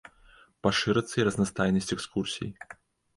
Пашырыцца і разнастайнасць экскурсій.